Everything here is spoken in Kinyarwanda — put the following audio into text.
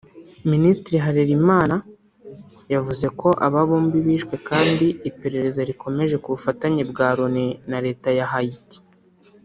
Minisitiri Harerimana yavuze ko aba bombi bishwe kandi iperereza rikomeje ku bufatanye bwa Loni na Leta ya Haiti